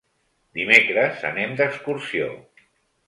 Dimecres anem d'excursió.